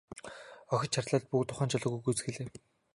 Охид чарлаад л бүгд ухаан жолоогүй гүйцгээлээ.